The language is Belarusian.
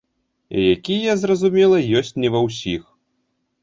Якія, зразумела, ёсць не ва ўсіх.